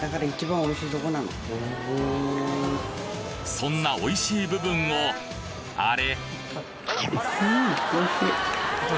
そんなおいしい部分をあれ？